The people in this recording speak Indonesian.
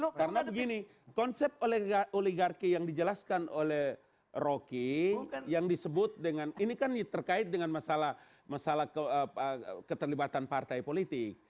karena begini konsep oligarki yang dijelaskan oleh rocky yang disebut dengan ini kan terkait dengan masalah keterlibatan partai politik